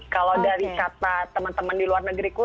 kalau dari kata teman teman di luar negeriku